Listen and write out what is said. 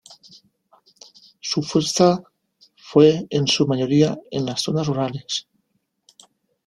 Su fuerza fue en su mayoría en las zonas rurales.